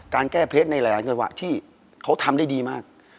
การแก้เพชรในหลายจังหวะที่เขาทำได้ดีมาก